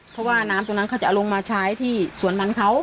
เพราะว่าน้ำตรงนั้นเขาจะเอาลงมาใช้ที่สวนมันเขา